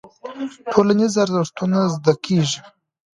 ټولنيز ارزښتونه زده کيږي.